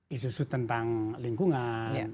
isu isu tentang lingkungan